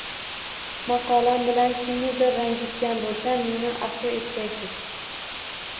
Maqolam bilan kimnidir ranjitgan bo’lsam meni afu etgaysiz